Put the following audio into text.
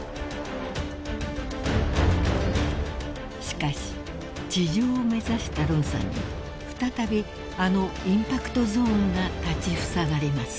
［しかし地上を目指したロンさんに再びあのインパクトゾーンが立ちふさがります］